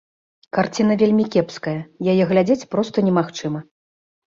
Карціна вельмі кепская, яе глядзець проста немагчыма.